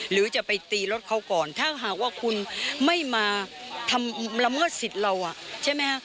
หรือจะไปตีรถเขาก่อนถ้าหากว่าคุณไม่มาทำละเมิดสิทธิ์เราใช่ไหมฮะ